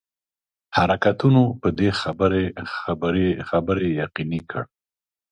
حرکتونو په دې خبري یقیني کړ.